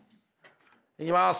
いきます。